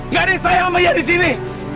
gak ada yang sayang sama iyan disini